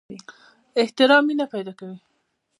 احترام مینه پیدا کوي